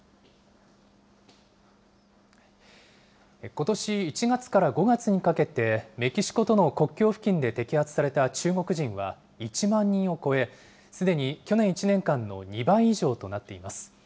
ことし１月から５月にかけて、メキシコとの国境付近で摘発された中国人は１万人を超え、すでに去年１年間の２倍以上となっています。